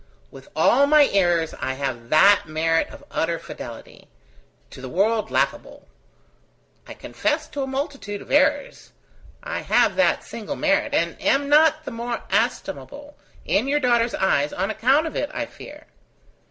With all my errors I have that merit of utter fidelity to the world laughable! I confess to a multitude of errors; I have that single merit, and am not the more estimable in your daughter's eyes on account of it, I fear.